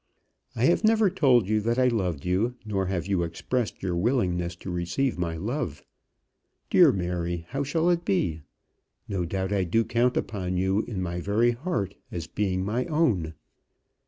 I have never told you that I loved you, nor have you expressed your willingness to receive my love. Dear Mary, how shall it be? No doubt I do count upon you in my very heart as being my own.